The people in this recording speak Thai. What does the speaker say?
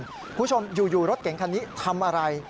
คุณผู้ชมอยู่รถเก๋งคันนี้ทำอะไร